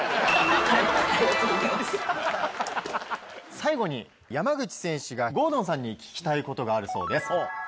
最後に山口選手が郷敦さんに聞きたいことがあるそうです。